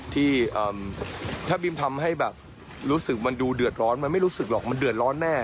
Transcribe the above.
ที่ถ้าบิมทำให้แบบรู้สึกมันดูเดือดร้อนมันไม่รู้สึกหรอกมันเดือดร้อนแน่